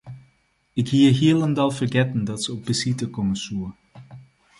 Ik hie hielendal fergetten dat se op besite komme soe.